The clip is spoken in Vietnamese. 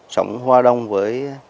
sống hoa đông với